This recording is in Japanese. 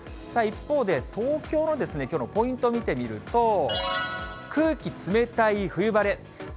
一方で東京のきょうのポイントを見てみると、空気冷たい冬晴れ。